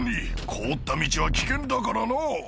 「凍った道は危険だからな」